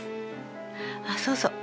あっそうそう